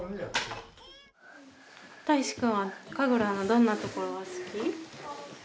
たいしくんは神楽のどんなところが好き？